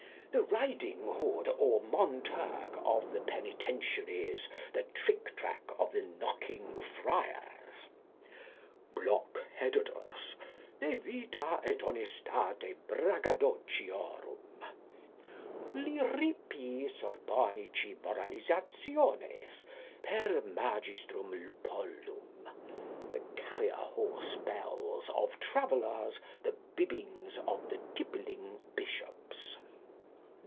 The Riding hood or Monterg of the Penitentiaries. The Trictrac of the Knocking Friars. Blockheadodus, de vita et honestate bragadochiorum. Lyrippii Sorbonici Moralisationes, per M. Lupoldum. The Carrier horse bells of Travellers. The Bibbings of the tippling Bishops.